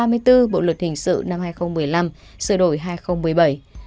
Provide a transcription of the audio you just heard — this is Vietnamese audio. điều một trăm ba mươi bốn bộ luật hình sự năm hai nghìn một mươi năm sửa đổi năm hai nghìn một mươi bảy